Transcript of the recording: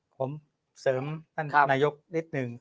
ผมเสริมท่านไหนนายกนิดนึง